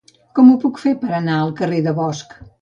Com ho puc fer per anar al carrer de Bosch?